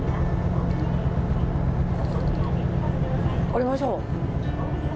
降りましょう。